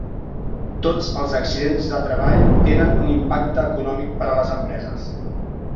Tots els accidents de treball tenen un impacte econòmic per a les empreses.